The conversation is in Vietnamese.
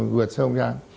vượt sông ra